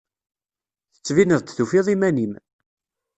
Tettbineḍ-d tufiḍ iman-im.